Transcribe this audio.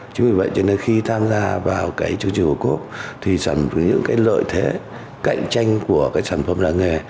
chính vì vậy cho nên khi tham gia vào chương trình ô cốp thì sản phẩm có những lợi thế cạnh tranh của sản phẩm làng nghề